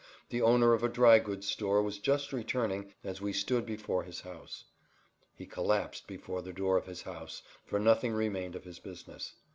The owner of a dry goods store was just returning as we stood before his house. He collapsed before the door of his house, for nothing remained of his business.